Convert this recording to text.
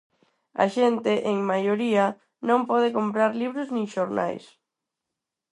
A xente, en maioría, non pode comprar libros, nin xornais.